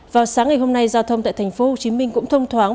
vào sáng ngày hôm nay giao thông tại thành phố hồ chí minh cũng thông thoáng